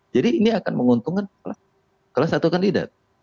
jadi ini akan menguntungkan kelas satu kandidat